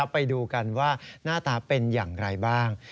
ไปดูกันว่าหน้าตาเป็นอย่างไรบ้าง